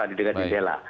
di dekat jela